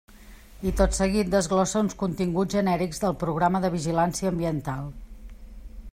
I tot seguit desglossa uns continguts genèrics del Programa de Vigilància Ambiental.